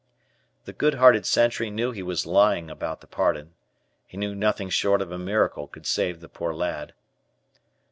The good hearted sentry knew he was lying about the pardon. He knew nothing short of a miracle could save the poor lad.